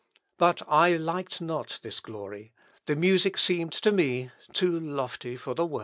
But I liked not this glory; the music seemed to me too lofty for the words."